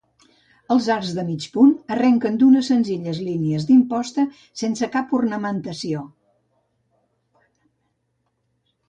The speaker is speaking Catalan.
Els arcs de mig punt arrenquen d'unes senzilles línies d'imposta sense cap ornamentació.